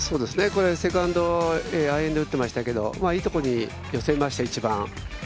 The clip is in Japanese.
セカンド、アイアンで打っていましたけど、いいとこに寄せました、１番。